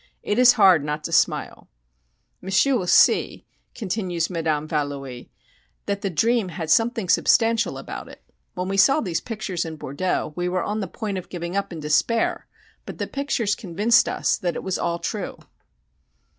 It is hard not to smile. "M'sieu' will see," continues Madame Valoie, "that the dream had something substantial about it. When we saw these pictures in Bordeaux we were on the point of giving up in despair, but the pictures convinced us that it was all true.